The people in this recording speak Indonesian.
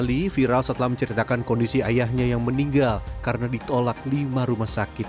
ali viral setelah menceritakan kondisi ayahnya yang meninggal karena ditolak lima rumah sakit